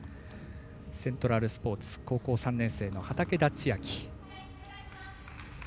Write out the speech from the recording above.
セントラルスポーツ高校３年生の畠田千愛。